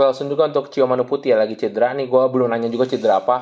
langsung juga untuk cio manu putih ya lagi cedera nih gua belum nanya juga cedera apa